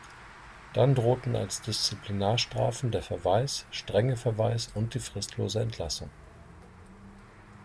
Dann drohten als Disziplinarstrafen der Verweis, strenge Verweis und die fristlose Entlassung.